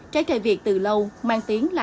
trái cây việt từ lâu mang tiếng là